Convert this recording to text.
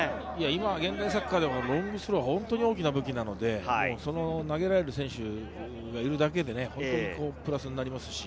現代サッカーでもロングスローは大きな武器なので、投げられる選手がいるだけでプラスになります。